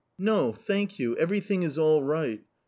" No, thank you, everything is all right."